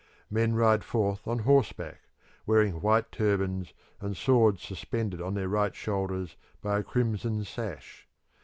Men ride forth on horseback, wearing white turbans and swords suspended on their right shoulders by a crimson sash.